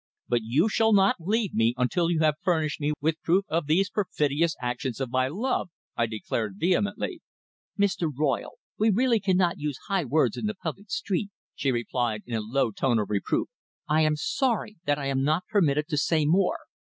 "But you shall not leave me until you have furnished me with proof of these perfidious actions of my love!" I declared vehemently. "Mr. Royle, we really cannot use high words in the public street," she replied in a low tone of reproof. "I am sorry that I am not permitted to say more."